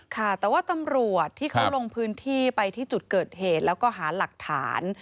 ค่ะแต่ว่าตำรวจที่เขาลงพื้นที่ไปที่จุดเกิดเหตุแล้วก็หาหลักฐาน